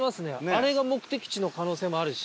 あれが目的地の可能性もあるし。